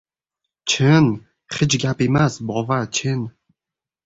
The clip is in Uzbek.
— Chin, hech gap emas, bova, chin.